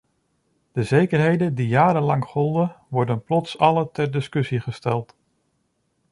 De zekerheden die jarenlang golden, werden plots alle ter discussie gesteld.